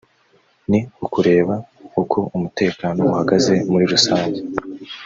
ni ukureba uko umutekano uhagaze muri rusange